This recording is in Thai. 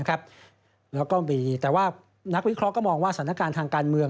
แล้วก็มีแต่ว่านักวิเคราะห์มองว่าสถานการณ์ทางการเมือง